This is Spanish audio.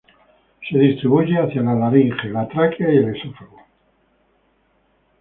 Se distribuye hacia la laringe, la tráquea y el esófago